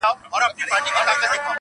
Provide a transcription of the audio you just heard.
• واک د زړه مي عاطفو ته ورکړ ځکه,